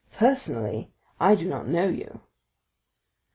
Personally, I do not know you."